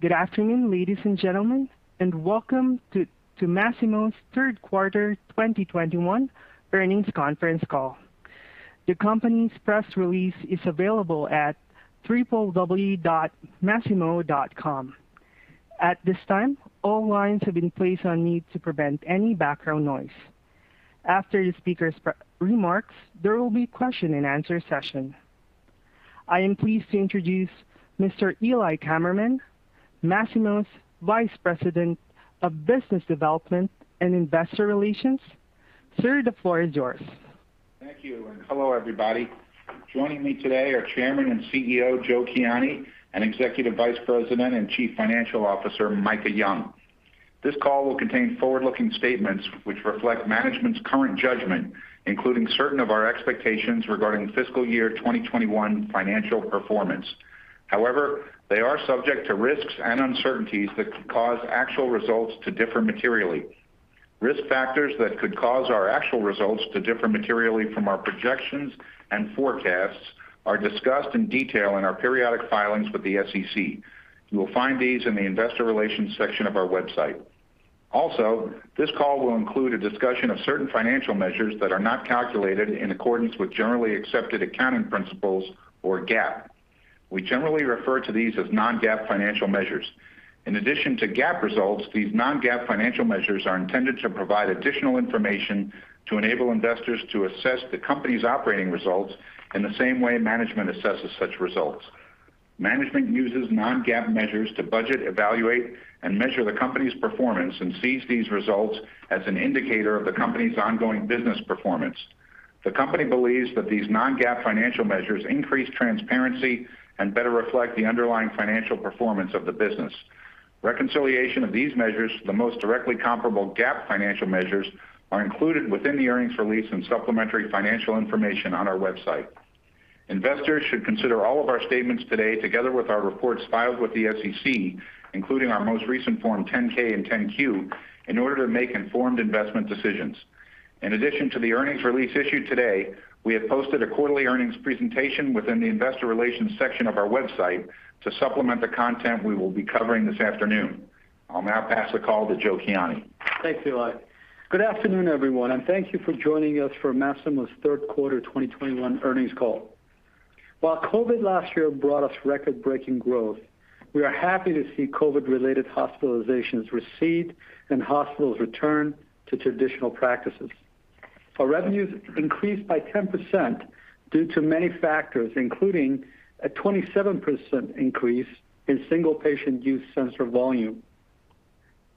Good afternoon, ladies and gentlemen, and welcome to Masimo's third quarter 2021 earnings conference call. The company's press release is available at www.masimo.com. At this time, all lines have been placed on mute to prevent any background noise. After the speaker's prepared remarks, there will be a question and answer session. I am pleased to introduce Mr. Eli Kammerman, Masimo's Vice President of Business Development and Investor Relations. Sir, the floor is yours. Thank you, and hello, everybody. Joining me today are Chairman and CEO, Joe Kiani, and Executive Vice President and Chief Financial Officer, Micah Young. This call will contain forward-looking statements which reflect management's current judgment, including certain of our expectations regarding fiscal year 2021 financial performance. However, they are subject to risks and uncertainties that could cause actual results to differ materially. Risk factors that could cause our actual results to differ materially from our projections and forecasts are discussed in detail in our periodic filings with the SEC. You will find these in the investor relations section of our website. Also, this call will include a discussion of certain financial measures that are not calculated in accordance with generally accepted accounting principles, or GAAP. We generally refer to these as non-GAAP financial measures. In addition to GAAP results, these non-GAAP financial measures are intended to provide additional information to enable investors to assess the company's operating results in the same way management assesses such results. Management uses non-GAAP measures to budget, evaluate, and measure the company's performance and sees these results as an indicator of the company's ongoing business performance. The company believes that these non-GAAP financial measures increase transparency and better reflect the underlying financial performance of the business. Reconciliation of these measures to the most directly comparable GAAP financial measures are included within the earnings release and supplementary financial information on our website. Investors should consider all of our statements today, together with our reports filed with the SEC, including our most recent Form 10-K and 10-Q, in order to make informed investment decisions. In addition to the earnings release issued today, we have posted a quarterly earnings presentation within the investor relations section of our website to supplement the content we will be covering this afternoon. I'll now pass the call to Joe Kiani. Thanks, Eli. Good afternoon, everyone, and thank you for joining us for Masimo's third quarter 2021 earnings call. While COVID last year brought us record-breaking growth, we are happy to see COVID-related hospitalizations recede and hospitals return to traditional practices. Our revenues increased by 10% due to many factors, including a 27% increase in single-patient use sensor volume.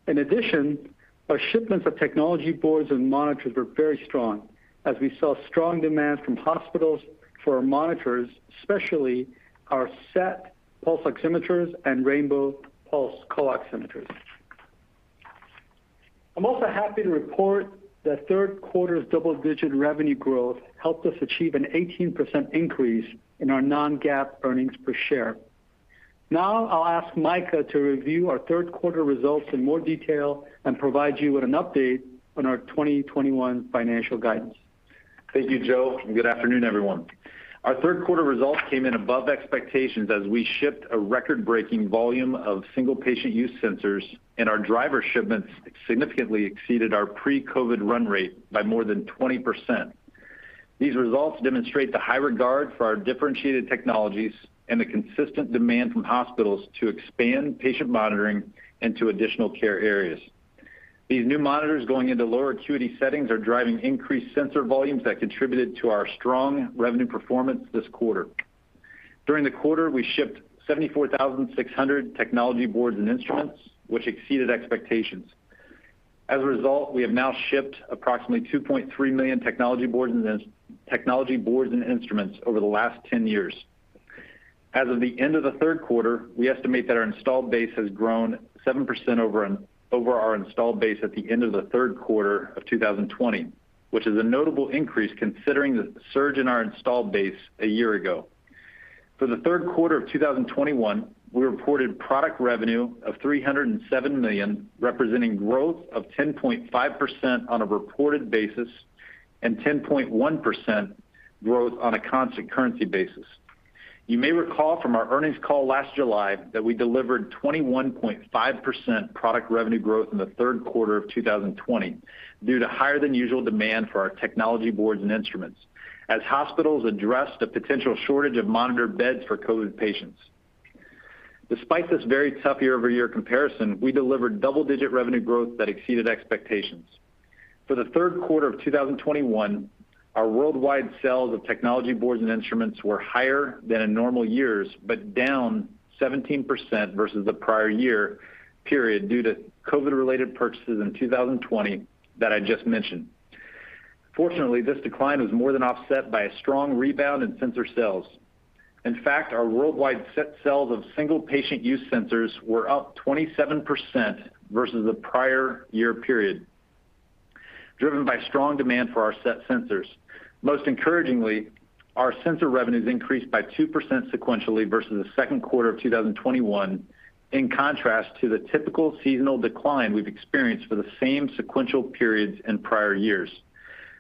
In addition, our shipments of technology boards and monitors were very strong as we saw strong demand from hospitals for our monitors, especially our SET pulse oximeters and rainbow Pulse CO-Oximetry. I'm also happy to report that third quarter's double-digit revenue growth helped us achieve an 18% increase in our non-GAAP earnings per share. Now I'll ask Micah to review our third quarter results in more detail and provide you with an update on our 2021 financial guidance. Thank you, Joe, and good afternoon, everyone. Our third quarter results came in above expectations as we shipped a record-breaking volume of single-patient use sensors, and our driver shipments significantly exceeded our pre-COVID run rate by more than 20%. These results demonstrate the high regard for our differentiated technologies and the consistent demand from hospitals to expand patient monitoring into additional care areas. These new monitors going into lower acuity settings are driving increased sensor volumes that contributed to our strong revenue performance this quarter. During the quarter, we shipped 74,600 technology boards and instruments, which exceeded expectations. As a result, we have now shipped approximately 2.3 million technology boards and instruments over the last 10 years. As of the end of the third quarter, we estimate that our installed base has grown 7% over our installed base at the end of the third quarter of 2020, which is a notable increase considering the surge in our installed base a year ago. For the third quarter of 2021, we reported product revenue of $307 million, representing growth of 10.5% on a reported basis and 10.1% growth on a constant currency basis. You may recall from our earnings call last July that we delivered 21.5% product revenue growth in the third quarter of 2020 due to higher than usual demand for our technology boards and instruments as hospitals addressed a potential shortage of monitored beds for COVID patients. Despite this very tough year-over-year comparison, we delivered double-digit revenue growth that exceeded expectations. For the third quarter of 2021, our worldwide sales of technology boards and instruments were higher than in normal years, but down 17% versus the prior year period due to COVID-related purchases in 2020 that I just mentioned. Fortunately, this decline was more than offset by a strong rebound in sensor sales. In fact, our worldwide SET sales of single-patient use sensors were up 27% versus the prior year period, driven by strong demand for our SET sensors. Most encouragingly, our sensor revenues increased by 2% sequentially versus the second quarter of 2021, in contrast to the typical seasonal decline we've experienced for the same sequential periods in prior years.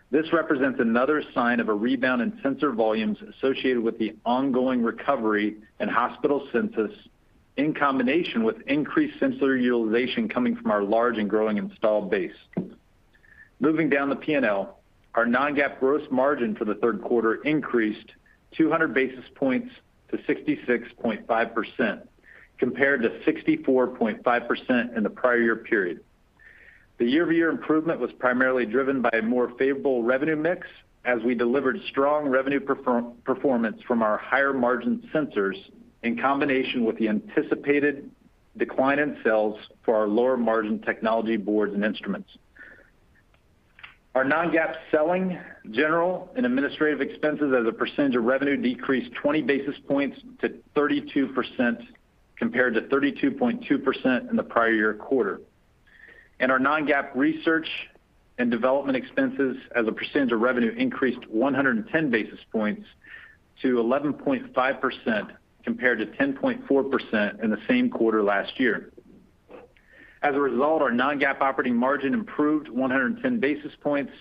This represents another sign of a rebound in sensor volumes associated with the ongoing recovery and hospital census in combination with increased sensor utilization coming from our large and growing installed base. Moving down the P&L, our non-GAAP gross margin for the third quarter increased 200 basis points to 66.5% compared to 64.5% in the prior year period. The year-over-year improvement was primarily driven by a more favorable revenue mix as we delivered strong revenue performance from our higher margin sensors in combination with the anticipated decline in sales for our lower margin technology boards and instruments. Our non-GAAP selling, general, and administrative expenses as a percentage of revenue decreased 20 basis points to 32% compared to 32.2% in the prior year quarter. Our non-GAAP research and development expenses as a percentage of revenue increased 110 basis points to 11.5% compared to 10.4% in the same quarter last year. As a result, our non-GAAP operating margin improved 110 basis points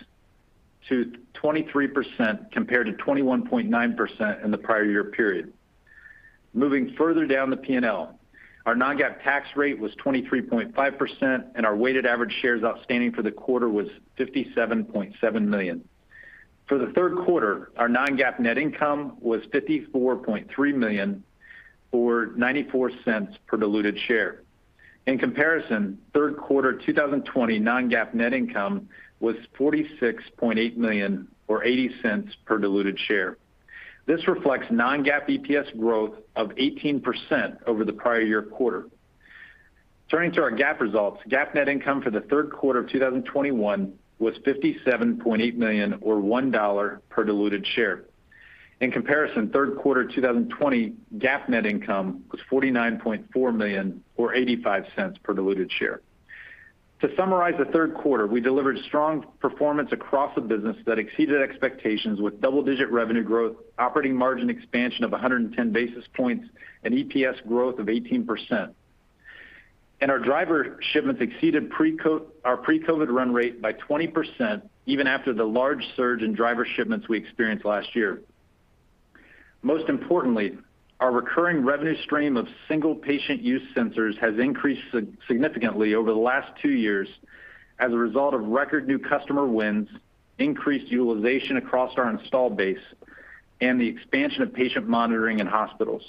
to 23% compared to 21.9% in the prior year period. Moving further down the P&L. Our non-GAAP tax rate was 23.5%, and our weighted average shares outstanding for the quarter was 57.7 million. For the third quarter, our non-GAAP net income was $54.3 million or $0.94 per diluted share. In comparison, third quarter 2020 non-GAAP net income was $46.8 million or $0.80 per diluted share. This reflects non-GAAP EPS growth of 18% over the prior year quarter. Turning to our GAAP results. GAAP net income for the third quarter of 2021 was $57.8 million or $1 per diluted share. In comparison, third quarter 2020 GAAP net income was $49.4 million or $0.85 per diluted share. To summarize the third quarter, we delivered strong performance across the business that exceeded expectations with double-digit revenue growth, operating margin expansion of 110 basis points, and EPS growth of 18%. Our driver shipments exceeded our pre-COVID run rate by 20% even after the large surge in driver shipments we experienced last year. Most importantly, our recurring revenue stream of single patient use sensors has increased significantly over the last two years as a result of record new customer wins, increased utilization across our installed base, and the expansion of patient monitoring in hospitals.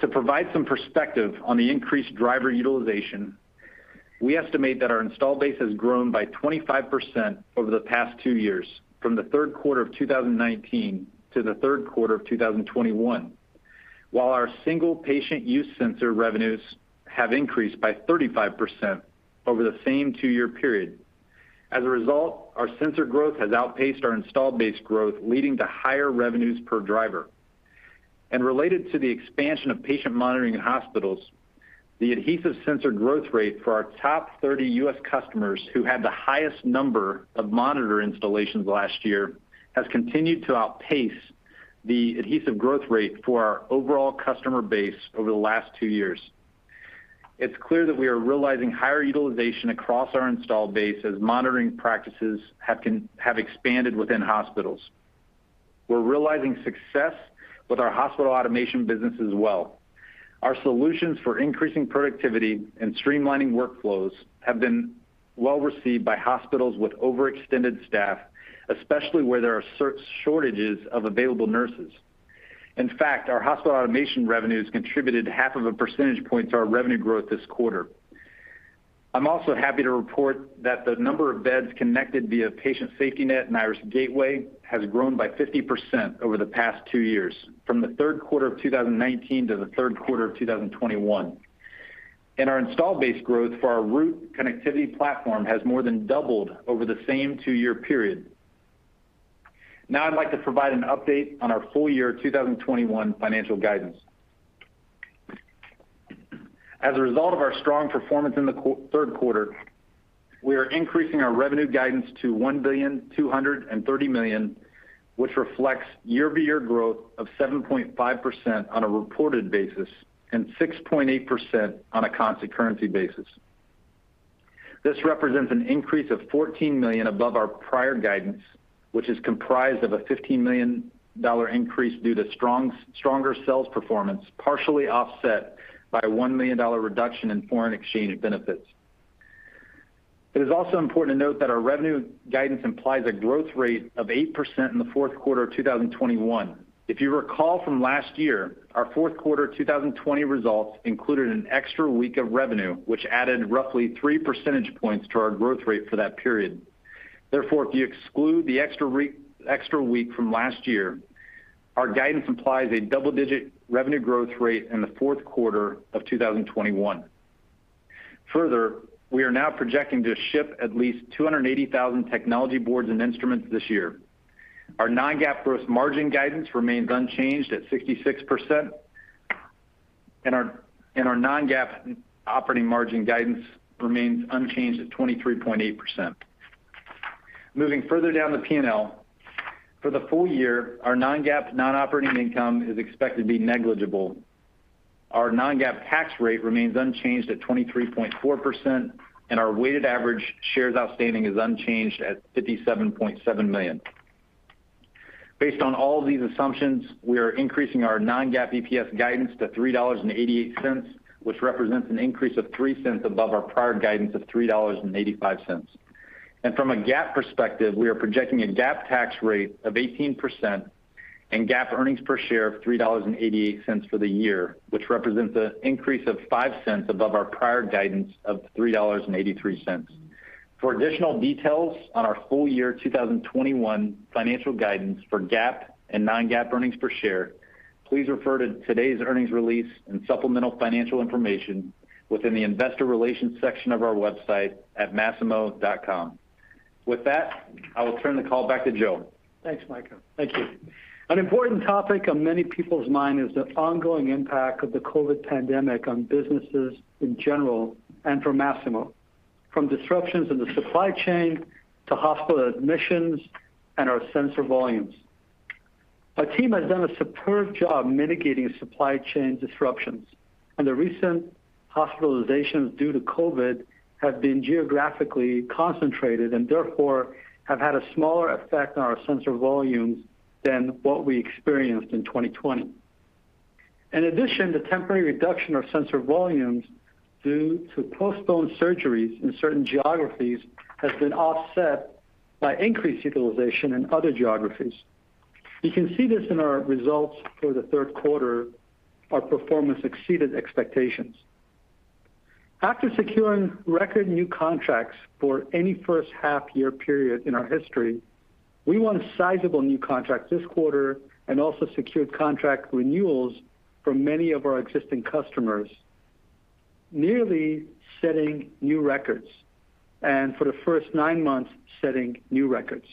To provide some perspective on the increased driver utilization, we estimate that our installed base has grown by 25% over the past two years, from the third quarter of 2019 to the third quarter of 2021, while our single patient use sensor revenues have increased by 35% over the same two-year period. As a result, our sensor growth has outpaced our installed base growth, leading to higher revenues per driver. Related to the expansion of patient monitoring in hospitals, the adhesive sensor growth rate for our top 30 U.S. customers who had the highest number of monitor installations last year has continued to outpace the adhesive growth rate for our overall customer base over the last two years. It's clear that we are realizing higher utilization across our installed base as monitoring practices have expanded within hospitals. We're realizing success with our hospital automation business as well. Our solutions for increasing productivity and streamlining workflows have been well received by hospitals with overextended staff, especially where there are shortages of available nurses. In fact, our hospital automation revenues contributed half of a percentage point to our revenue growth this quarter. I'm also happy to report that the number of beds connected via Patient SafetyNet and Iris Gateway has grown by 50% over the past two years, from the third quarter of 2019 to the third quarter of 2021. Our installed base growth for our Root connectivity platform has more than doubled over the same two-year period. Now I'd like to provide an update on our full year 2021 financial guidance. As a result of our strong performance in the third quarter, we are increasing our revenue guidance to $1.23 billion, which reflects year-over-year growth of 7.5% on a reported basis and 6.8% on a constant currency basis. This represents an increase of $14 million above our prior guidance, which is comprised of a $15 million increase due to stronger sales performance, partially offset by a $1 million reduction in foreign exchange benefits. It is also important to note that our revenue guidance implies a growth rate of 8% in the fourth quarter of 2021. If you recall from last year, our fourth quarter 2020 results included an extra week of revenue, which added roughly 3 percentage points to our growth rate for that period. Therefore, if you exclude the extra week from last year, our guidance implies a double-digit revenue growth rate in the fourth quarter of 2021. Further, we are now projecting to ship at least 280,000 technology boards and instruments this year. Our non-GAAP gross margin guidance remains unchanged at 66%, and our non-GAAP operating margin guidance remains unchanged at 23.8%. Moving further down the P&L. For the full year, our non-GAAP non-operating income is expected to be negligible. Our non-GAAP tax rate remains unchanged at 23.4%, and our weighted average shares outstanding is unchanged at 57.7 million. Based on all of these assumptions, we are increasing our non-GAAP EPS guidance to $3.88, which represents an increase of $0.03 Above our prior guidance of $3.85. From a GAAP perspective, we are projecting a GAAP tax rate of 18% and GAAP earnings per share of $3.88 for the year, which represents an increase of $0.05 Above our prior guidance of $3.83. For additional details on our full year 2021 financial guidance for GAAP and non-GAAP earnings per share, please refer to today's earnings release and supplemental financial information within the investor relations section of our website at masimo.com. With that, I will turn the call back to Joe. Thanks, Micah. Thank you. An important topic on many people's mind is the ongoing impact of the COVID pandemic on businesses in general and for Masimo, from disruptions in the supply chain to hospital admissions and our sensor volumes. Our team has done a superb job mitigating supply chain disruptions, and the recent hospitalizations due to COVID have been geographically concentrated and therefore have had a smaller effect on our sensor volumes than what we experienced in 2020. In addition, the temporary reduction of sensor volumes due to postponed surgeries in certain geographies has been offset by increased utilization in other geographies. You can see this in our results for the third quarter. Our performance exceeded expectations. After securing record new contracts in any first half-year period in our history, we won a sizable new contract this quarter and also secured contract renewals from many of our existing customers, nearly setting new records, and for the first nine months, setting new records.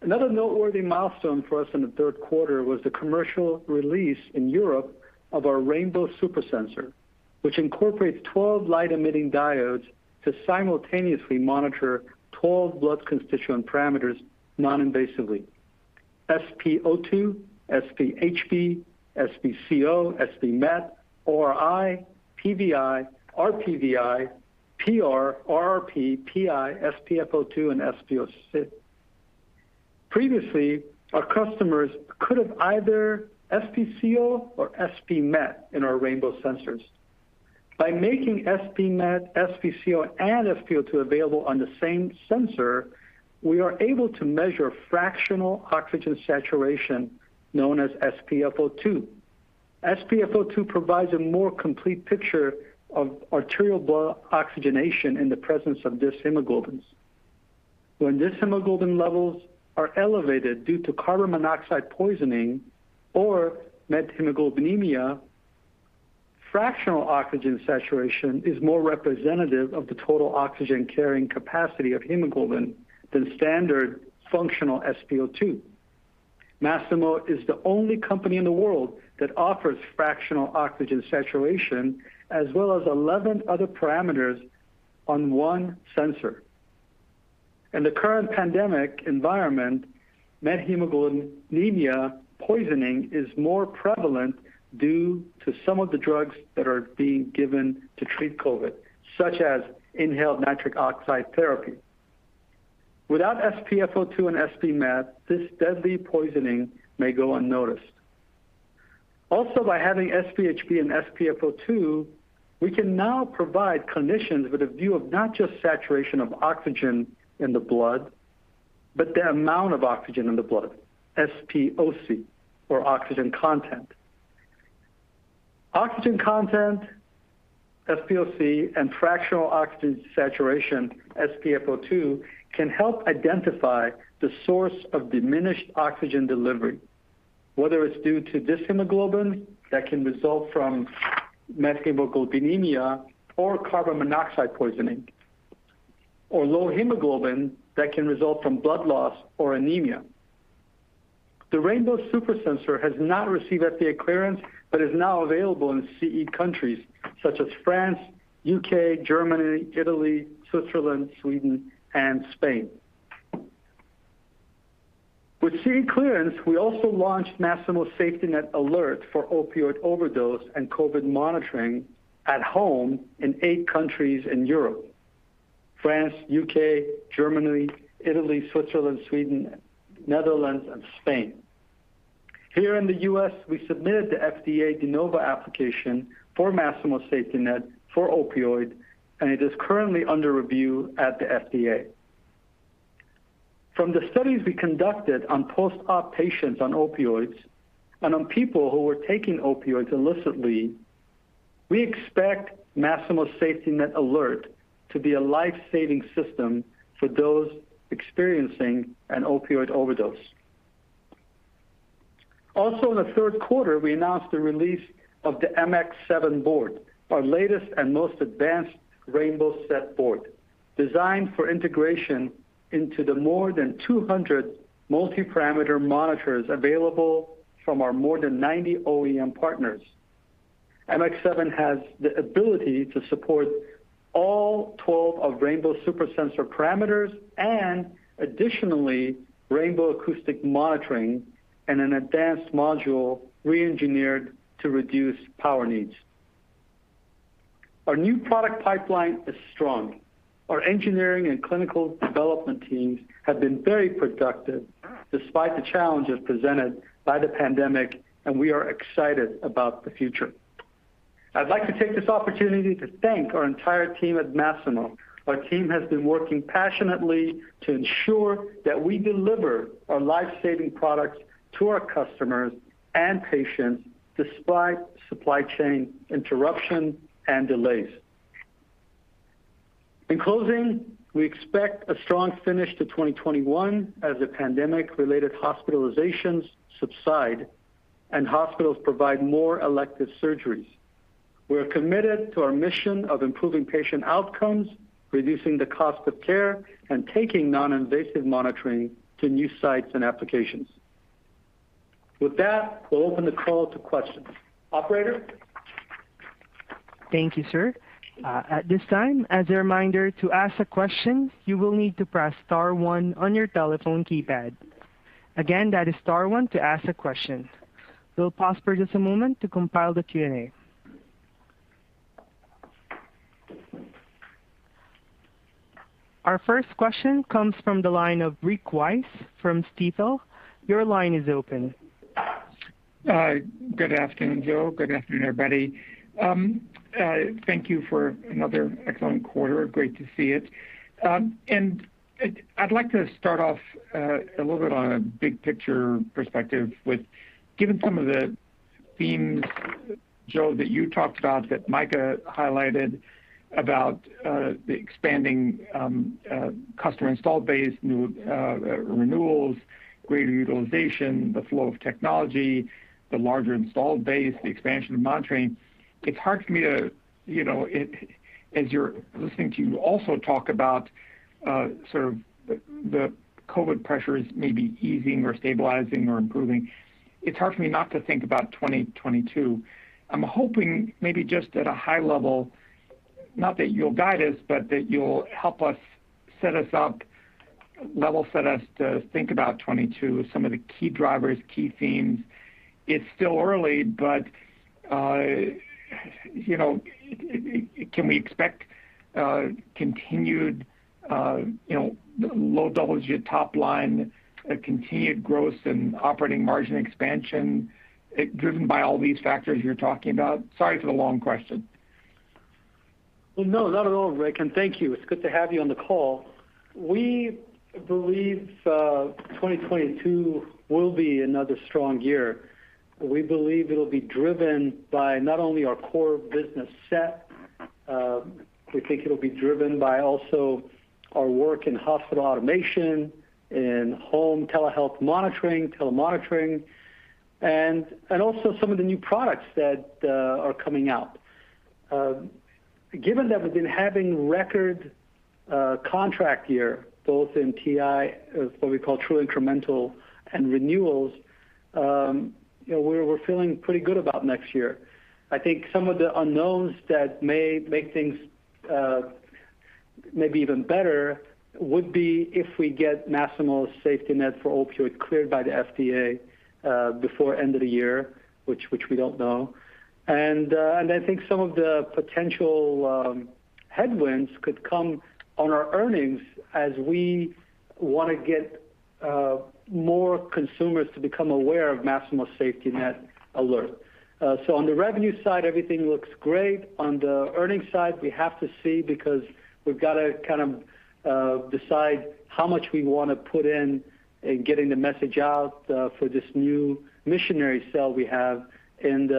Another noteworthy milestone for us in the third quarter was the commercial release in Europe of our rainbow SuperSensor, which incorporates 12 light-emitting diodes to simultaneously monitor 12 blood constituent parameters noninvasively. SpO2, SpHb, SpCO, SpMet, ORI, PVI, RPVi, PR, RRp, PI, SpfO2, and SpOC. Previously, our customers could have either SpCO or SpMet in our rainbow sensors. By making SpMet, SpCO, and SpfO2 available on the same sensor, we are able to measure fractional oxygen saturation, known as SpfO2. SpfO2 provides a more complete picture of arterial blood oxygenation in the presence of dyshemoglobins. When dyshemoglobins levels are elevated due to carbon monoxide poisoning or methemoglobinemia, fractional oxygen saturation is more representative of the total oxygen carrying capacity of hemoglobin than standard functional SpO2. Masimo is the only company in the world that offers fractional oxygen saturation as well as 11 other parameters on 1 sensor. In the current pandemic environment, methemoglobinemia poisoning is more prevalent due to some of the drugs that are being given to treat COVID, such as inhaled nitric oxide therapy. Without SpfO2 and SpMet, this deadly poisoning may go unnoticed. Also, by having SpHb and SpfO2, we can now provide clinicians with a view of not just saturation of oxygen in the blood, but the amount of oxygen in the blood, SpOC or oxygen content. Oxygen content, SpOC, and fractional oxygen saturation, SpfO2, can help identify the source of diminished oxygen delivery, whether it's due to dyshemoglobin that can result from methemoglobinemia or carbon monoxide poisoning, or low hemoglobin that can result from blood loss or anemia. The rainbow SuperSensor has not received FDA clearance but is now available in CE countries such as France, U.K., Germany, Italy, Switzerland, Sweden, and Spain. With CE clearance, we also launched Masimo SafetyNet Alert for opioid overdose and COVID monitoring at home in eight countries in Europe, France, U.K., Germany, Italy, Switzerland, Sweden, Netherlands, and Spain. Here in the U.S., we submitted the FDA De Novo application for Masimo SafetyNet for opioid, and it is currently under review at the FDA. From the studies we conducted on post-op patients on opioids and on people who were taking opioids illicitly, we expect Masimo SafetyNet Alert to be a life-saving system for those experiencing an opioid overdose. Also in the third quarter, we announced the release of the MX-7 board, our latest and most advanced rainbow SET board, designed for integration into the more than 200 multiparameter monitors available from our more than 90 OEM partners. MX-7 has the ability to support all 12 of rainbow's super sensor parameters and additionally, rainbow Acoustic Monitoring and an advanced module re-engineered to reduce power needs. Our new product pipeline is strong. Our engineering and clinical development teams have been very productive despite the challenges presented by the pandemic, and we are excited about the future. I'd like to take this opportunity to thank our entire team at Masimo. Our team has been working passionately to ensure that we deliver our life-saving products to our customers and patients despite supply chain interruption and delays. In closing, we expect a strong finish to 2021 as the pandemic-related hospitalizations subside and hospitals provide more elective surgeries. We are committed to our mission of improving patient outcomes, reducing the cost of care, and taking non-invasive monitoring to new sites and applications. With that, we'll open the call to questions. Operator? Thank you, sir. At this time, as a reminder, to ask a question, you will need to press star one on your telephone keypad. Again, that is star one to ask a question. We'll pause for just a moment to compile the Q&A. Our first question comes from the line of Rick Wise from Stifel. Your line is open. Good afternoon, Joe. Good afternoon, everybody. Thank you for another excellent quarter. Great to see it. I'd like to start off a little bit on a big picture perspective with given some of the themes, Joe, that you talked about, that Micah highlighted about the expanding customer install base, new renewals, greater utilization, the flow of technology, the larger installed base, the expansion of monitoring. It's hard for me to. As you're listening, you also talk about sort of the COVID pressures maybe easing or stabilizing or improving, it's hard for me not to think about 2022. I'm hoping maybe just at a high level, not that you'll guide us, but that you'll help us set us up, level set us to think about 2022, some of the key drivers, key themes. It's still early, but you know, can we expect continued you know low double-digit top line continued growth and operating margin expansion driven by all these factors you're talking about? Sorry for the long question. Well, no, not at all, Rick, and thank you. It's good to have you on the call. We believe 2022 will be another strong year. We believe it'll be driven by not only our core business SET, we think it'll be driven by also our work in hospital automation and home telehealth monitoring, telemonitoring, and also some of the new products that are coming out. Given that we've been having record contract year, both in TI, what we call true incremental and renewals, you know, we're feeling pretty good about next year. I think some of the unknowns that may make things maybe even better would be if we get Masimo SafetyNet for opioid cleared by the FDA before end of the year, which we don't know. I think some of the potential headwinds could come on our earnings as we wanna get more consumers to become aware of Masimo SafetyNet Alert. On the revenue side, everything looks great. On the earnings side, we have to see because we've got to kind of decide how much we wanna put in getting the message out for this new missionary zeal we have and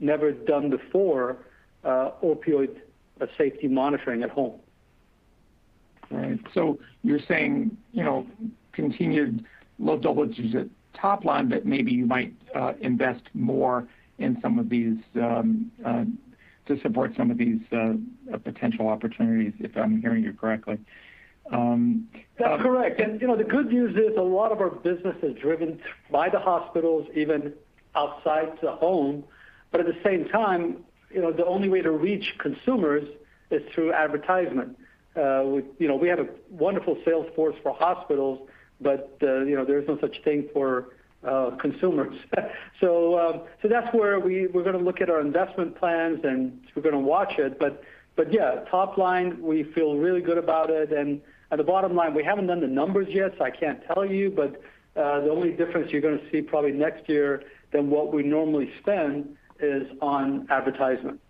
never done before, opioid safety monitoring at home. All right. You're saying, you know, continued low double digits at top line, but maybe you might invest more in some of these to support some of these potential opportunities, if I'm hearing you correctly. That's correct. You know the good news is a lot of our business is driven by the hospitals, even outside the home. At the same time, you know, the only way to reach consumers is through advertisement. We, you know, we have a wonderful sales force for hospitals, but, you know, there's no such thing for, consumers. That's where we're gonna look at our investment plans, and we're gonna watch it. Yeah, top line, we feel really good about it. At the bottom line, we haven't done the numbers yet, so I can't tell you. The only difference you're gonna see probably next year than what we normally spend is on advertisement.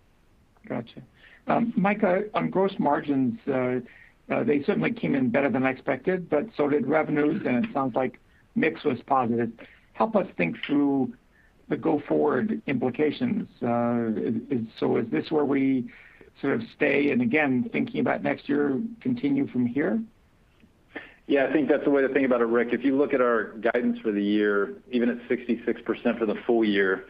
Gotcha. Micah, on gross margins, they certainly came in better than I expected, but so did revenues, and it sounds like mix was positive. Help us think through the go-forward implications. Is this where we sort of stay and again, thinking about next year, continue from here? Yeah. I think that's the way to think about it, Rick. If you look at our guidance for the year, even at 66% for the full year,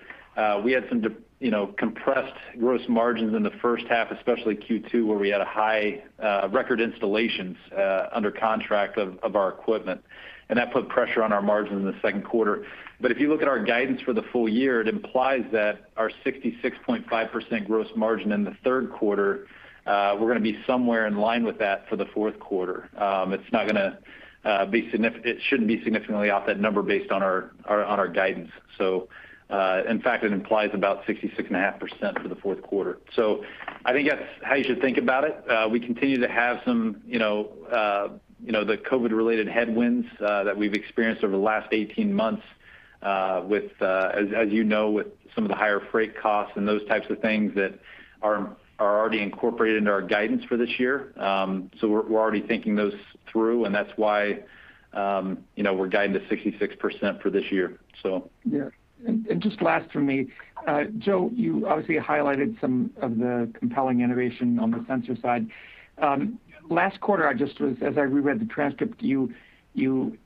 we had some you know, compressed gross margins in the first half, especially Q2, where we had a high record installations under contract of our equipment. That put pressure on our margins in the second quarter. If you look at our guidance for the full year, it implies that our 66.5% gross margin in the third quarter, we're gonna be somewhere in line with that for the fourth quarter. It shouldn't be significantly off that number based on our guidance. In fact, it implies about 66.5% for the fourth quarter. I think that's how you should think about it. We continue to have some, you know, the COVID-related headwinds that we've experienced over the last 18 months with, as you know, with some of the higher freight costs and those types of things that are already incorporated into our guidance for this year. We're already thinking those through, and that's why, you know, we're guiding to 66% for this year. Yeah. Just last from me. Joe, you obviously highlighted some of the compelling innovation on the sensor side. Last quarter, as I reread the transcript, you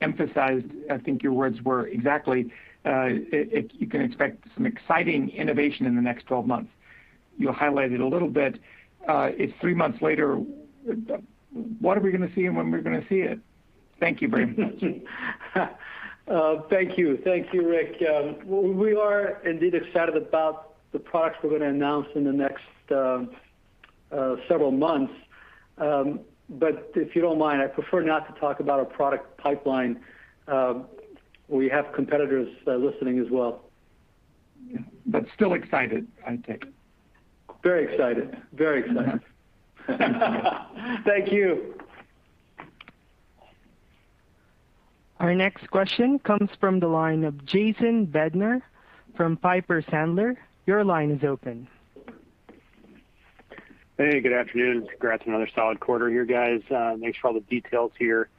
emphasized, I think your words were exactly, "You can expect some exciting innovation in the next 12 months." You highlighted a little bit. It's three months later. What are we gonna see, and when are we gonna see it? Thank you very much. Thank you. Thank you, Rick. We are indeed excited about the products we're gonna announce in the next several months. If you don't mind, I prefer not to talk about our product pipeline. We have competitors listening as well. Still excited, I take it? Very excited. Thank you. Our next question comes from the line of Jason Bednar from Piper Sandler. Your line is open. Hey, good afternoon. Congrats on another solid quarter here, guys. Thanks for all the details here.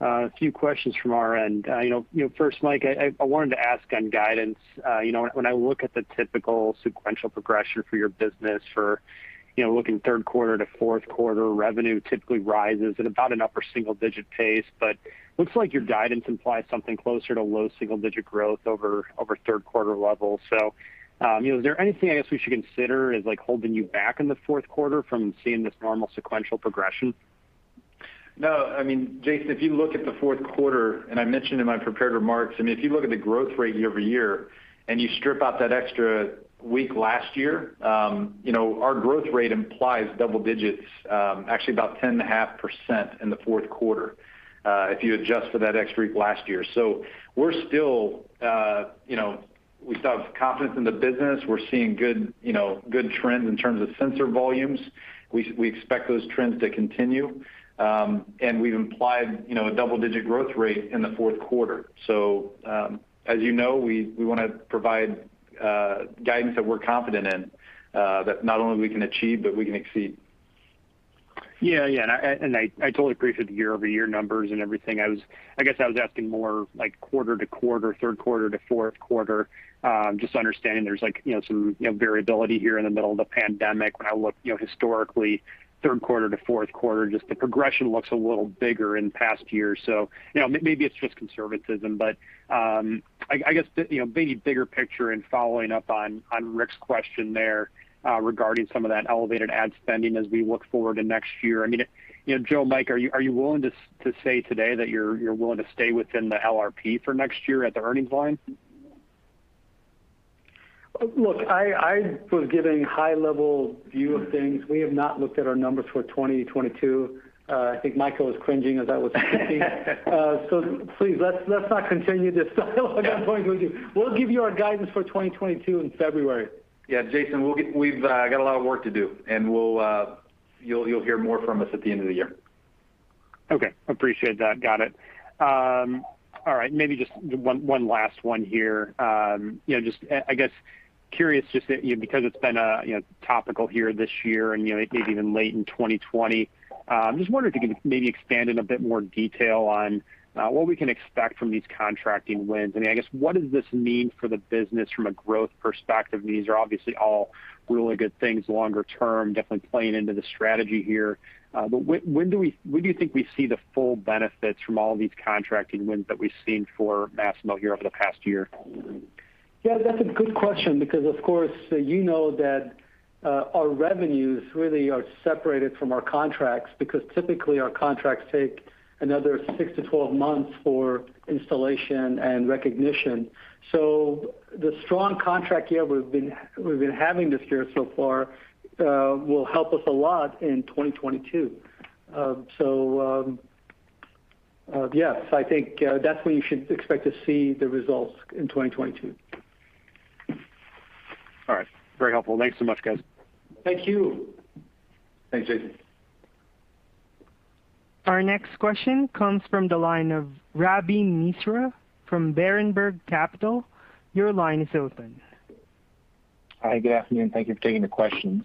A few questions from our end. You know, first, Micah, I wanted to ask on guidance. You know, when I look at the typical sequential progression for your business, you know, looking third quarter to fourth quarter, revenue typically rises at about an upper single digit pace. But looks like your guidance implies something closer to low single digit growth over third quarter levels. Is there anything I guess we should consider as, like, holding you back in the fourth quarter from seeing this normal sequential progression? No. I mean, Jason, if you look at the fourth quarter, and I mentioned in my prepared remarks, I mean, if you look at the growth rate year-over-year and you strip out that extra week last year, you know, our growth rate implies double digits, actually about 10.5% in the fourth quarter, if you adjust for that extra week last year. We're still, you know, we still have confidence in the business. We're seeing good, you know, good trends in terms of sensor volumes. We expect those trends to continue. And we've implied, you know, a double-digit growth rate in the fourth quarter. As you know, we wanna provide guidance that we're confident in, that not only we can achieve, but we can exceed. I totally appreciate the year-over-year numbers and everything. I guess I was asking more, like, quarter-to-quarter, third quarter to fourth quarter, just understanding there's, like, you know, some variability here in the middle of the pandemic. When I look, you know, historically third quarter to fourth quarter, just the progression looks a little bigger in past years. You know, maybe it's just conservatism. I guess the bigger picture and following up on Rick's question there, regarding some of that elevated ad spending as we look forward to next year. I mean, you know, Joe, Micah, are you willing to say today that you're willing to stay within the LRP for next year at the earnings line? Look, I was giving high level view of things. We have not looked at our numbers for 2022. I think Micah was cringing as I was speaking. Please let's not continue this dialogue. I'm going with you. We'll give you our guidance for 2022 in February. Yeah, Jason, we've got a lot of work to do, and we'll, you'll hear more from us at the end of the year. Okay. Appreciate that. Got it. All right, maybe just one last one here. You know, just, I guess curious just, you know, because it's been, you know, topical here this year and, you know, maybe even late in 2020, I'm just wondering if you could maybe expand in a bit more detail on what we can expect from these contracting wins. I mean, I guess, what does this mean for the business from a growth perspective? These are obviously all really good things longer term, definitely playing into the strategy here. But when do you think we see the full benefits from all these contracting wins that we've seen for Masimo here over the past year? Yeah, that's a good question because, of course, you know that our revenues really are separated from our contracts because typically our contracts take another 6-12 months for installation and recognition. The strong contract year we've been having this year so far will help us a lot in 2022. Yes, I think that's when you should expect to see the results in 2022. All right. Very helpful. Thanks so much, guys. Thank you. Thanks, Jason. Our next question comes from the line of Ravi Misra from Berenberg Capital. Your line is open. Hi. Good afternoon. Thank you for taking the questions.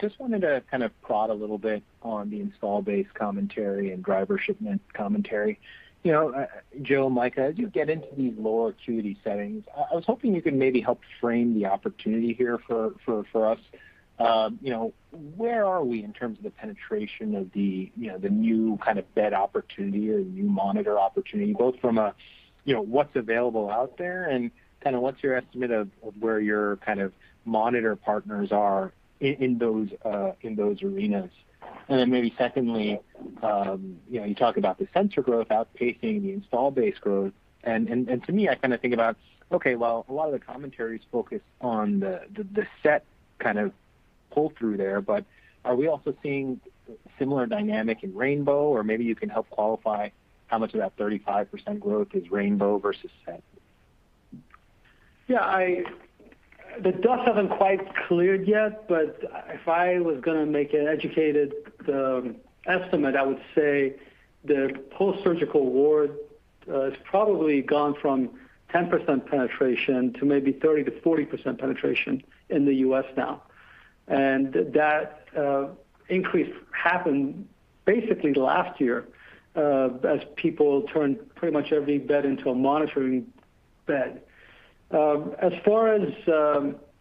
Just wanted to kind of prod a little bit on the install base commentary and driver shipment commentary. You know, Joe and Micah, as you get into these lower acuity settings, I was hoping you could maybe help frame the opportunity here for us. You know, where are we in terms of the penetration of the new kind of bed opportunity or new monitor opportunity, both from what's available out there and kinda what's your estimate of where your kind of monitor partners are in those arenas? Then maybe secondly, you know, you talk about the sensor growth outpacing the install base growth. To me, I kind of think about, okay, well, a lot of the commentary is focused on the SET kind of pull-through there, but are we also seeing similar dynamic in rainbow? Or maybe you can help qualify how much of that 35% growth is rainbow versus SET. The dust hasn't quite cleared yet, but if I was gonna make an educated estimate, I would say the postsurgical ward has probably gone from 10% penetration to maybe 30%-40% penetration in the U.S. now. That increase happened basically last year as people turned pretty much every bed into a monitoring bed. As far as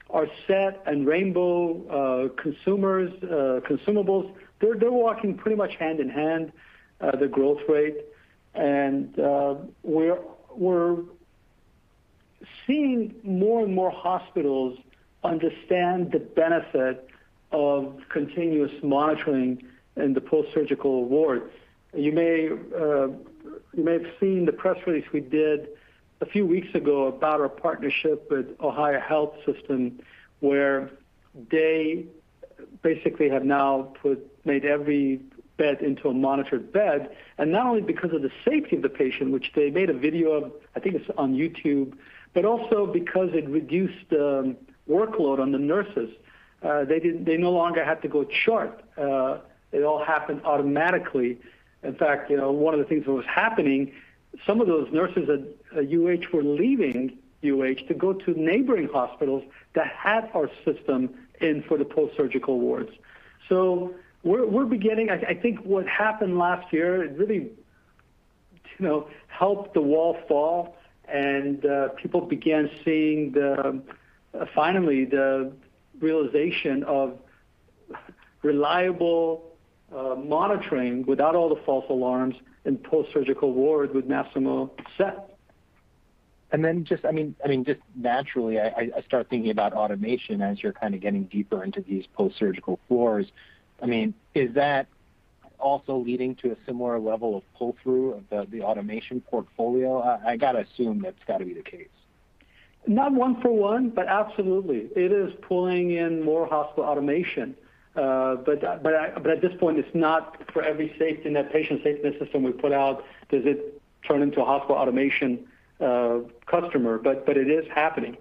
our SET and rainbow sensors consumables, they're walking pretty much hand in hand, the growth rate. We're seeing more and more hospitals understand the benefit of continuous monitoring in the postsurgical ward. You may have seen the press release we did a few weeks ago about our partnership with OhioHealth, where they basically have now made every bed into a monitored bed. Not only because of the safety of the patient, which they made a video of, I think it's on YouTube, but also because it reduced the workload on the nurses. They no longer have to go chart. It all happened automatically. In fact, you know, one of the things that was happening, some of those nurses at UH were leaving UH to go to neighboring hospitals that had our system in for the postsurgical wards. So we're beginning. I think what happened last year, it really, you know, helped the wall fall and people began seeing the, finally the realization of reliable monitoring without all the false alarms in postsurgical ward with Masimo SET. Just, I mean, just naturally, I start thinking about automation as you're kind of getting deeper into these postsurgical floors. I mean, is that also leading to a similar level of pull-through of the automation portfolio? I gotta assume that's gotta be the case. Not one for one, but absolutely. It is pulling in more hospital automation. At this point, it's not for every sale in that patient safety system we put out. Does it turn into a hospital automation customer? It is happening.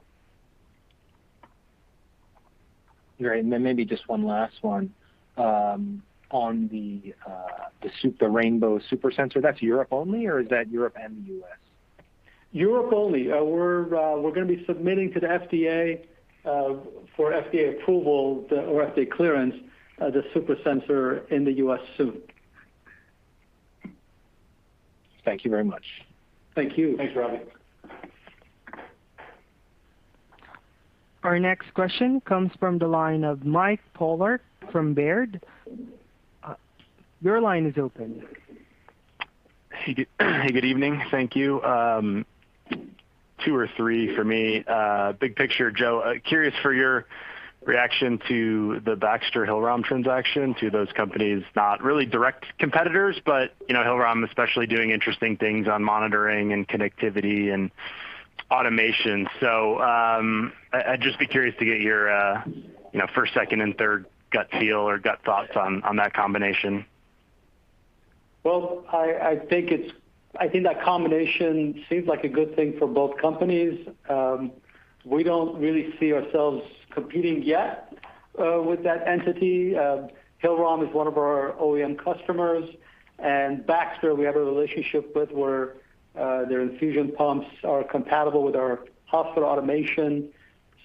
Great. Maybe just one last one. On the rainbow SuperSensor, that's Europe only, or is that Europe and the U.S.? Europe only. We're gonna be submitting to the FDA for FDA approval or FDA clearance, the SuperSensor in the U.S. soon. Thank you very much. Thank you. Thanks, Ravi. Our next question comes from the line of Mike Polark from Baird. Your line is open. Hey, good evening. Thank you. Two or three for me. Big picture, Joe, curious for your reaction to the Baxter Hillrom transaction. Those two companies, not really direct competitors, but you know, Hillrom especially doing interesting things on monitoring and connectivity and automation. I'd just be curious to get your, you know, first, second, and third gut feel or gut thoughts on that combination. I think that combination seems like a good thing for both companies. We don't really see ourselves competing yet with that entity. Hillrom is one of our OEM customers. Baxter, we have a relationship with where their infusion pumps are compatible with our hospital automation.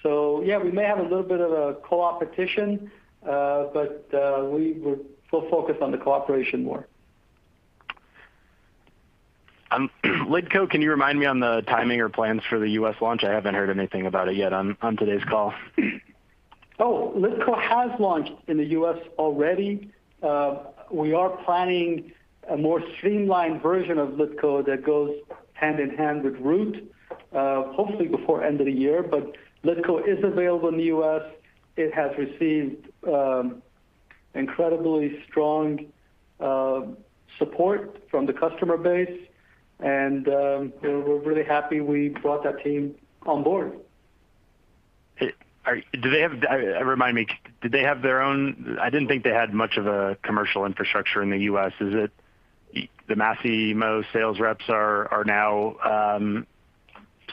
Yeah, we may have a little bit of a co-opetition, but we will focus on the cooperation more. LiDCO, can you remind me on the timing or plans for the U.S. launch? I haven't heard anything about it yet on today's call. LiDCO has launched in the U.S. already. We are planning a more streamlined version of LiDCO that goes hand in hand with Root, hopefully before end of the year. LiDCO is available in the U.S. It has received incredibly strong support from the customer base, and you know, we're really happy we brought that team on board. Hey, do they have their own? Remind me, did they have their own? I didn't think they had much of a commercial infrastructure in the U.S. Is it the Masimo sales reps are now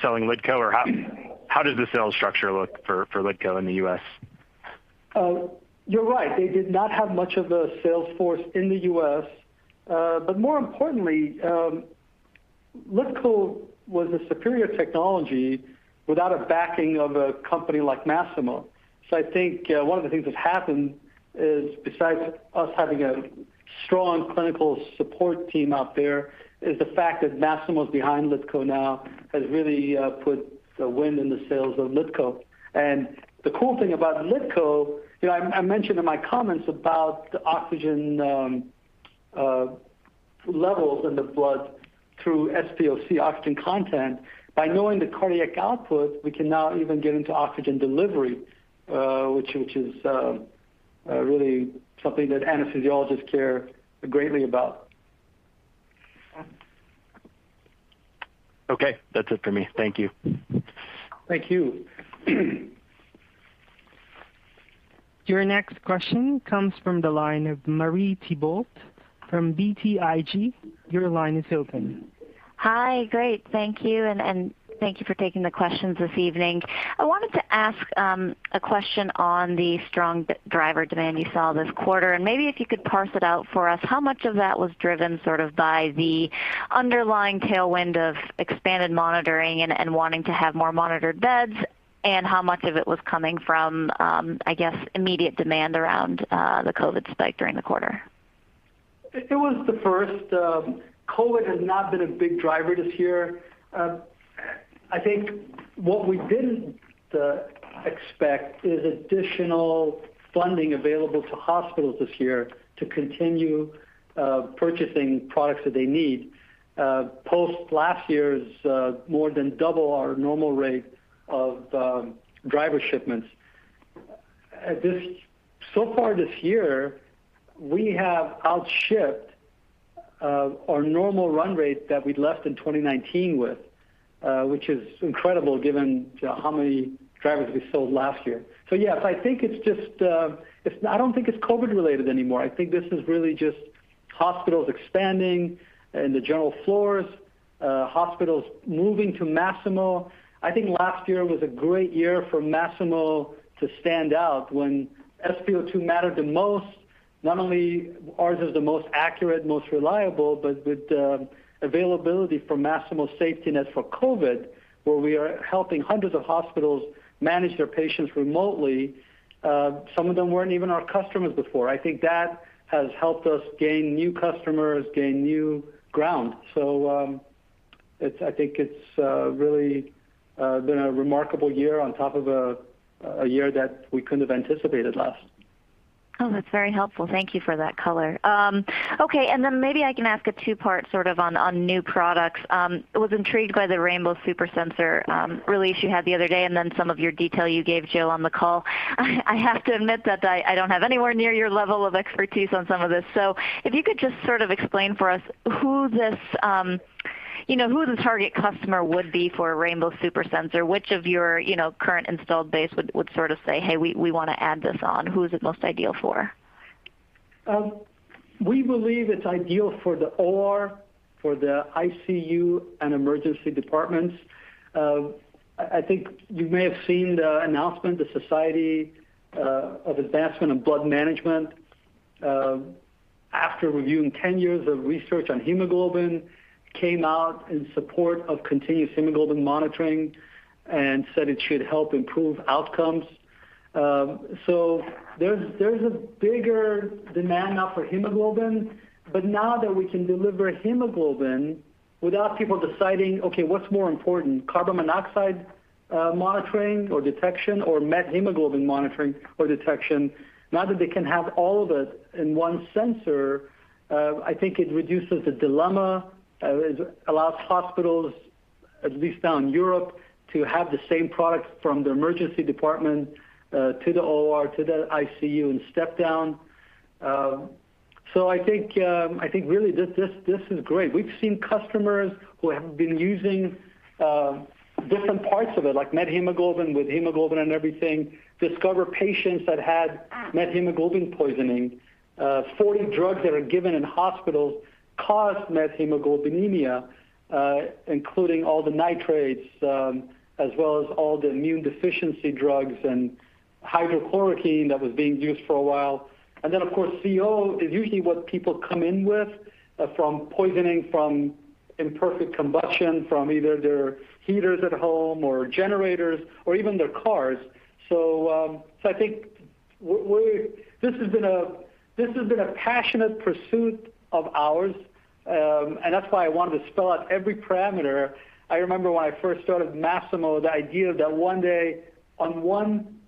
selling LiDCO, or how does the sales structure look for LiDCO in the U.S.? You're right. They did not have much of a sales force in the U.S. More importantly, LiDCO was a superior technology without a backing of a company like Masimo. I think one of the things that's happened is, besides us having a strong clinical support team out there, is the fact that Masimo's behind LiDCO now has really put the wind in the sails of LiDCO. The cool thing about LiDCO, you know, I mentioned in my comments about the oxygen levels in the blood through SpO2 oxygen content. By knowing the cardiac output, we can now even get into oxygen delivery, which is really something that anesthesiologists care greatly about. Okay. That's it for me. Thank you. Thank you. Your next question comes from the line of Marie Thibault from BTIG. Your line is open. Hi. Great. Thank you, and thank you for taking the questions this evening. I wanted to ask a question on the strong driver demand you saw this quarter, and maybe if you could parse it out for us, how much of that was driven sort of by the underlying tailwind of expanded monitoring and wanting to have more monitored beds, and how much of it was coming from, I guess, immediate demand around the COVID spike during the quarter? It was the first. COVID has not been a big driver this year. I think what we didn't expect is additional funding available to hospitals this year to continue purchasing products that they need post last year's more than double our normal rate of driver shipments. So far this year, we have outshipped our normal run rate that we'd left in 2019 with which is incredible given how many drivers we sold last year. Yes, I think it's just. I don't think it's COVID related anymore. I think this is really just hospitals expanding in the general floors, hospitals moving to Masimo. I think last year was a great year for Masimo to stand out. When SpO2 mattered the most, not only ours is the most accurate, most reliable, but with availability for Masimo SafetyNet for COVID, where we are helping hundreds of hospitals manage their patients remotely, some of them weren't even our customers before. I think that has helped us gain new customers, gain new ground. I think it's really been a remarkable year on top of a year that we couldn't have anticipated last. Oh, that's very helpful. Thank you for that color. Okay, maybe I can ask a two-part sort of on new products. I was intrigued by the rainbow SuperSensor release you had the other day and then some of your detail you gave, Joe, on the call. I have to admit that I don't have anywhere near your level of expertise on some of this. If you could just sort of explain for us who this, you know, who the target customer would be for a rainbow SuperSensor. Which of your, you know, current installed base would sort of say, "Hey, we wanna add this on"? Who is it most ideal for? We believe it's ideal for the OR, for the ICU, and emergency departments. I think you may have seen the announcement, the Society for the Advancement of Blood Management, after reviewing 10 years of research on hemoglobin, came out in support of continuous hemoglobin monitoring and said it should help improve outcomes. There's a bigger demand now for hemoglobin. Now that we can deliver hemoglobin without people deciding, "Okay, what's more important, carbon monoxide monitoring or detection or methemoglobin monitoring or detection?" Now that they can have all of it in one sensor, I think it reduces the dilemma. It allows hospitals, at least now in Europe, to have the same product from the emergency department to the OR, to the ICU, and step down. I think really this is great. We've seen customers who have been using different parts of it, like methemoglobin with hemoglobin and everything, discover patients that had methemoglobin poisoning. 40 drugs that are given in hospitals cause methemoglobinemia, including all the nitrates, as well as all the immune deficiency drugs and hydroxychloroquine that was being used for a while. Then, of course, CO is usually what people come in with, from poisoning from imperfect combustion from either their heaters at home or generators or even their cars. I think this has been a passionate pursuit of ours, and that's why I wanted to spell out every parameter. I remember when I first started Masimo, the idea that one day on one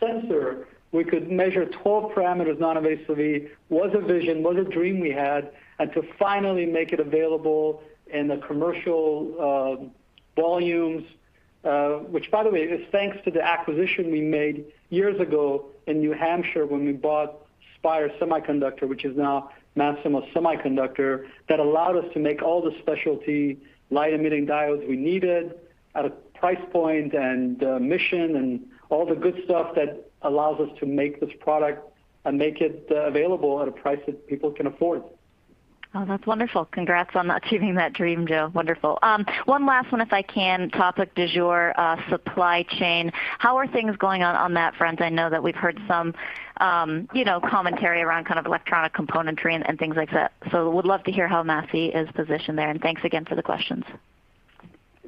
sensor we could measure 12 parameters noninvasively was a vision, was a dream we had. To finally make it available in the commercial volumes, which, by the way, is thanks to the acquisition we made years ago in New Hampshire when we bought Spire Semiconductor, which is now Masimo Semiconductor, that allowed us to make all the specialty light-emitting diodes we needed at a price point and mission and all the good stuff that allows us to make this product and make it available at a price that people can afford. Oh, that's wonderful. Congrats on achieving that dream, Joe. Wonderful. One last one if I can. Topic du jour, supply chain. How are things going on that front? I know that we've heard some, you know, commentary around kind of electronic componentry and things like that. So would love to hear how Masimo is positioned there, and thanks again for the questions.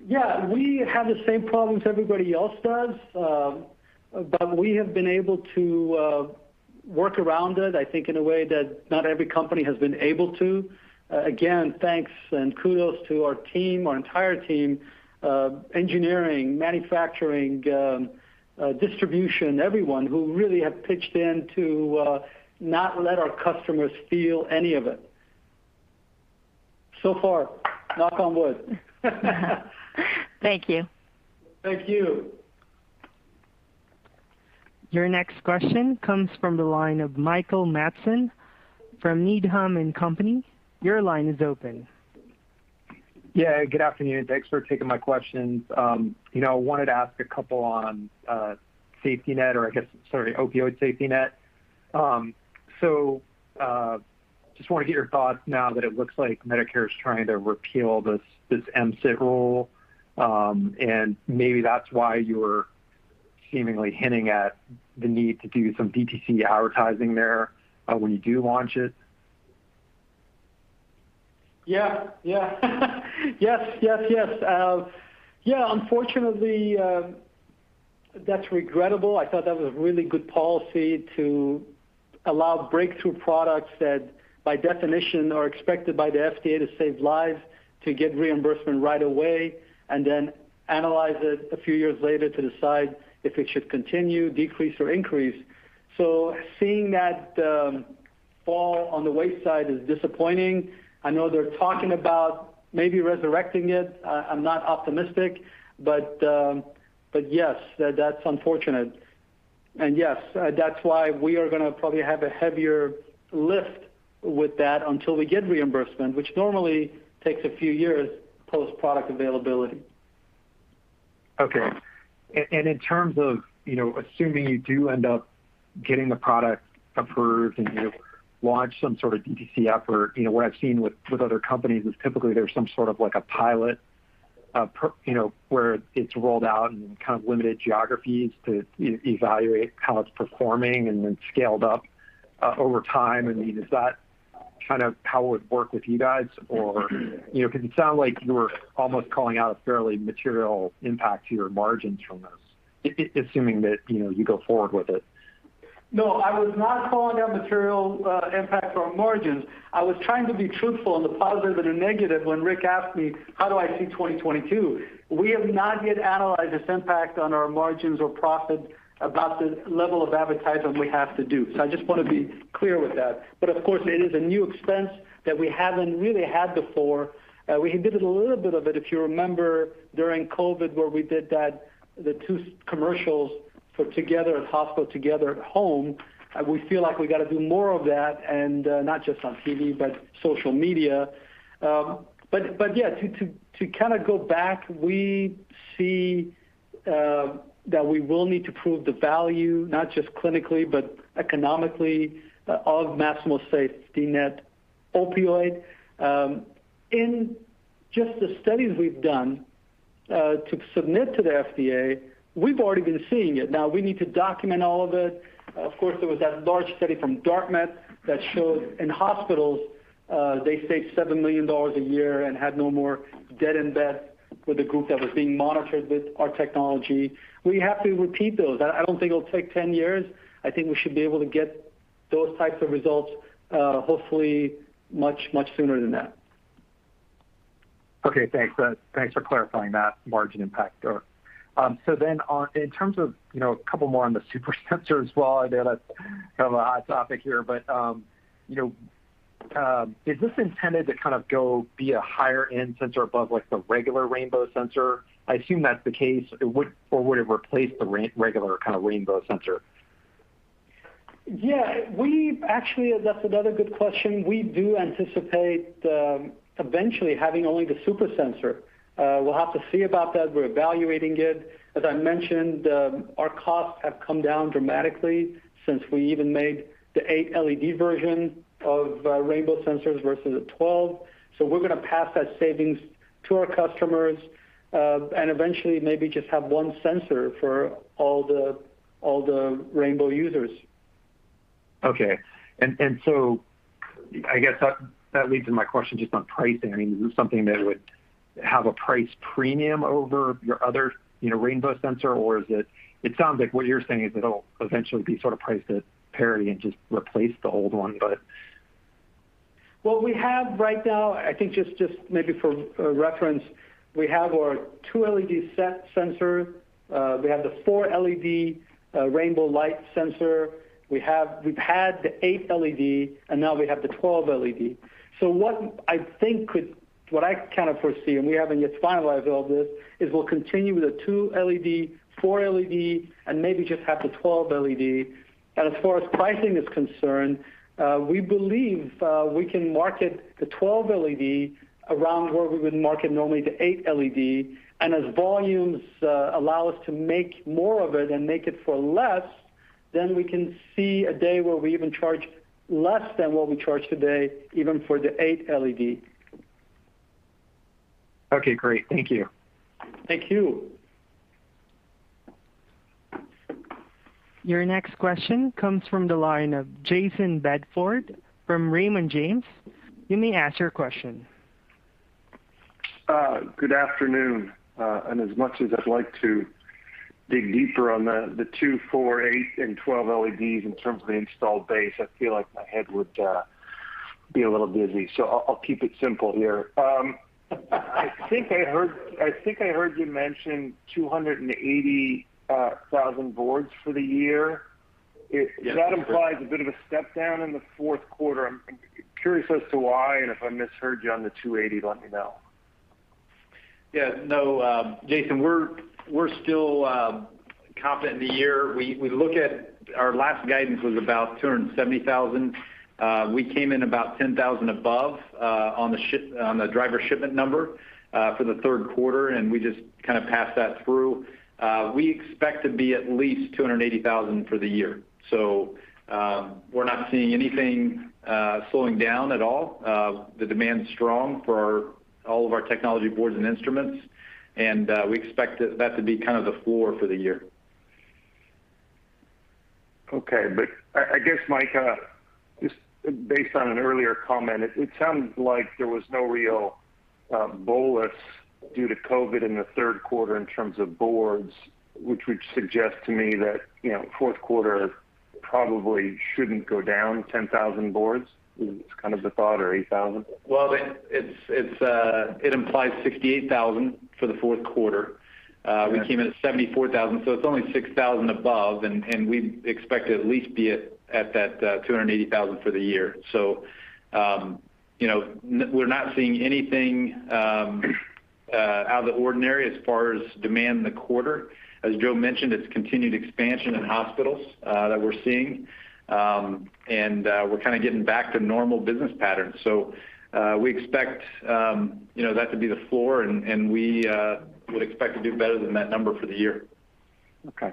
Yeah. We have the same problems everybody else does, but we have been able to work around it, I think, in a way that not every company has been able to. Again, thanks and kudos to our team, our entire team, engineering, manufacturing, distribution, everyone who really have pitched in to not let our customers feel any of it. So far. Knock on wood. Thank you. Thank you. Your next question comes from the line of Michael Matson from Needham & Company. Your line is open. Yeah, good afternoon. Thanks for taking my questions. You know, wanted to ask a couple on SafetyNet or I guess, sorry, Opioid SafetyNet. So, just wanna get your thoughts now that it looks like Medicare is trying to repeal this MCIT rule, and maybe that's why you're seemingly hinting at the need to do some DTC advertising there, when you do launch it. Yes, unfortunately, that's regrettable. I thought that was a really good policy to allow breakthrough products that by definition are expected by the FDA to save lives, to get reimbursement right away, and then analyze it a few years later to decide if it should continue, decrease, or increase. Seeing that fall by the wayside is disappointing. I know they're talking about maybe resurrecting it. I'm not optimistic, but yes, that's unfortunate. Yes, that's why we are gonna probably have a heavier lift with that until we get reimbursement, which normally takes a few years post-product availability. Okay. In terms of, you know, assuming you do end up getting the product approved and you launch some sort of DTC effort, you know, what I've seen with other companies is typically there's some sort of like a pilot, you know, where it's rolled out in kind of limited geographies to evaluate how it's performing and then scaled up over time. I mean, is that kind of how it would work with you guys? Or, you know, 'cause it sounds like you were almost calling out a fairly material impact to your margins from this, assuming that, you know, you go forward with it. No, I was not calling out material impact on margins. I was trying to be truthful on the positive and the negative when Rick asked me how do I see 2022. We have not yet analyzed this impact on our margins or profit about the level of advertising we have to do. I just wanna be clear with that. Of course it is a new expense that we haven't really had before. We did a little bit of it, if you remember during COVID, where we did that, the two commercials for together at hospital, together at home. We feel like we gotta do more of that and not just on TV, but social media. Yeah, to kinda go back, we see that we will need to prove the value, not just clinically but economically, of Masimo's SafetyNet opioid. In just the studies we've done to submit to the FDA, we've already been seeing it. Now we need to document all of it. Of course, there was that large study from Dartmouth that showed in hospitals they saved $7 million a year and had no more dead in bed with the group that was being monitored with our technology. We have to repeat those. I don't think it'll take 10 years. I think we should be able to get those types of results, hopefully much sooner than that. Okay, thanks for clarifying that margin impact there. So then, in terms of, you know, a couple more on the SuperSensor as well, I know that's kind of a hot topic here, but, you know, is this intended to kind of go be a higher end sensor above like the regular rainbow sensor? I assume that's the case. It would, or would it replace the regular kinda rainbow sensor? Yeah. We've actually, that's another good question. We do anticipate eventually having only the SuperSensor. We'll have to see about that. We're evaluating it. As I mentioned, our costs have come down dramatically since we even made the eight LED version of rainbow sensors versus the 12. So we're gonna pass that savings to our customers, and eventually maybe just have one sensor for all the rainbow users. Okay. I guess that leads to my question just on pricing. I mean, is this something that would have a price premium over your other, you know, rainbow sensor? Or is it? It sounds like what you're saying is it'll eventually be sort of priced at parity and just replace the old one. Well, we have right now, I think just maybe for reference, we have our two-LED SET sensor. We have the four-LED RD rainbow sensor. We've had the eight-LED, and now we have the 12-LED. What I kind of foresee, and we haven't yet finalized all this, is we'll continue with the two-LED, four-LED, and maybe just have the 12-LED. As far as pricing is concerned, we believe we can market the 12-LED around where we would market normally the eight-LED. As volumes allow us to make more of it and make it for less, then we can see a day where we even charge less than what we charge today, even for the eight-LED. Okay, great. Thank you. Thank you. Your next question comes from the line of Jayson Bedford from Raymond James. You may ask your question. Good afternoon, and as much as I'd like to dig deeper on the two, four, eight, and 12 LEDs in terms of the installed base, I feel like my head would be a little dizzy. I'll keep it simple here. I think I heard you mention 280,000 boards for the year. That implies a bit of a step down in the fourth quarter. I'm curious as to why, and if I misheard you on the 280, let me know. Yeah, no, Jayson, we're still confident in the year. We look at our last guidance was about 270,000. We came in about 10,000 above on the driver shipment number for the third quarter, and we just kinda passed that through. We expect to be at least 280,000 for the year. We're not seeing anything slowing down at all. The demand's strong for all of our technology boards and instruments, and we expect that to be kind of the floor for the year. Okay. I guess, Micah, just based on an earlier comment, it sounds like there was no real bolus due to COVID in the third quarter in terms of boards, which would suggest to me that, you know, fourth quarter probably shouldn't go down 10,000 boards. It's kind of the thought or 8,000. Well, it implies 68,000 for the fourth quarter. We came in at 74,000, so it's only 6,000 above, and we expect to at least be at that 280,000 for the year. You know, we're not seeing anything out of the ordinary as far as demand in the quarter. As Joe mentioned, it's continued expansion in hospitals that we're seeing. We're kinda getting back to normal business patterns. We expect, you know, that to be the floor and we would expect to do better than that number for the year. Okay.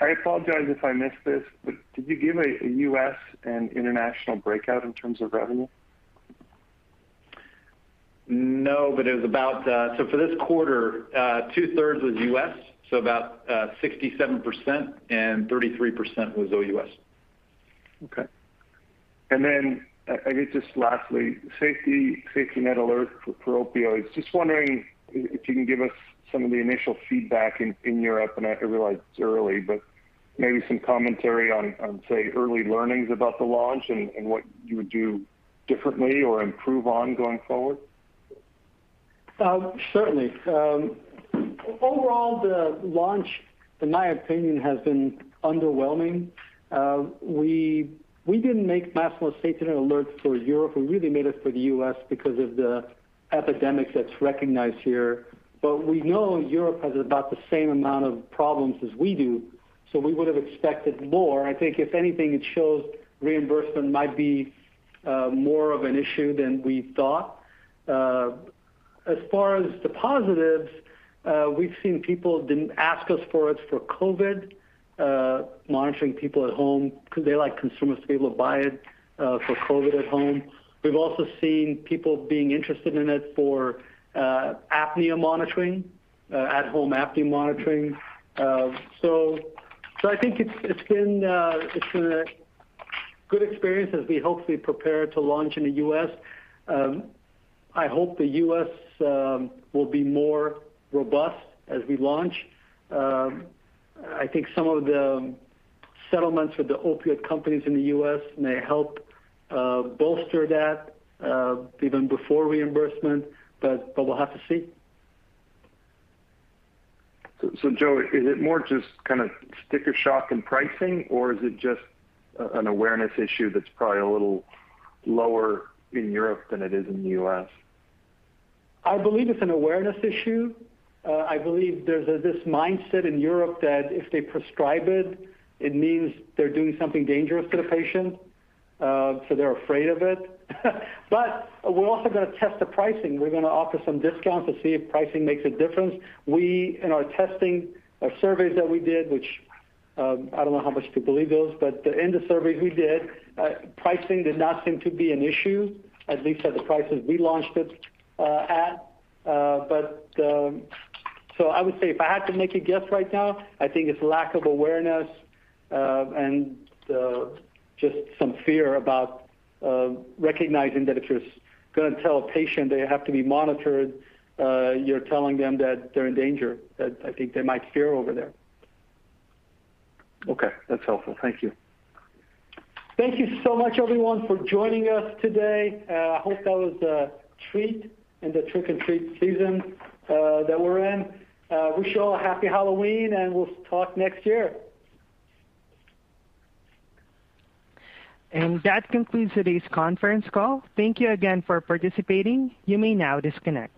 I apologize if I missed this, but did you give a U.S. and international breakout in terms of revenue? No, but it was about. For this quarter, 2/3 was U.S., so about 67% and 33% was OUS. Okay. Then I guess just lastly, SafetyNet Alert for opioids. Just wondering if you can give us some of the initial feedback in Europe, and I realize it's early, but maybe some commentary on, say, early learnings about the launch and what you would do differently or improve on going forward. Certainly. Overall, the launch, in my opinion, has been underwhelming. We didn't make Masimo SafetyNet Alert for Europe. We really made it for the U.S. because of the epidemic that's recognized here. We know Europe has about the same amount of problems as we do, so we would have expected more. I think if anything, it shows reimbursement might be more of an issue than we thought. As far as the positives, we've seen people ask us for it for COVID monitoring people at home 'cause they like consumers to be able to buy it for COVID at home. We've also seen people being interested in it for apnea monitoring at-home apnea monitoring. I think it's been a good experience as we hopefully prepare to launch in the U.S. I hope the U.S. will be more robust as we launch. I think some of the settlements with the opioid companies in the U.S. may help bolster that even before reimbursement, but we'll have to see. Joe, is it more just kinda sticker shock in pricing, or is it just an awareness issue that's probably a little lower in Europe than it is in the U.S.? I believe it's an awareness issue. I believe there's this mindset in Europe that if they prescribe it means they're doing something dangerous to the patient, so they're afraid of it. We're also gonna test the pricing. We're gonna offer some discounts to see if pricing makes a difference. We, in our testing, our surveys that we did, which, I don't know how much to believe those, but in the surveys we did, pricing did not seem to be an issue, at least at the prices we launched it, at. I would say if I had to make a guess right now, I think it's lack of awareness and just some fear about recognizing that if you're gonna tell a patient they have to be monitored, you're telling them that they're in danger, that I think they might fear over there. Okay. That's helpful. Thank you. Thank you so much, everyone, for joining us today. I hope that was a treat in the trick and treat season that we're in. Wish you all a happy Halloween, and we'll talk next year. That concludes today's conference call. Thank you again for participating. You may now disconnect.